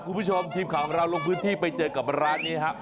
คุณผู้ชมทีมข่าวของเราลงพื้นที่ไปเจอกับร้านนี้ครับ